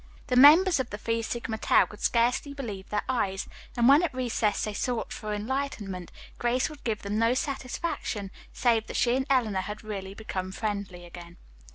The members of the Phi Sigma Tau could scarcely believe their eyes, and when at recess they sought for enlightenment, Grace would give them no satisfaction save that she and Eleanor had really become friendly again.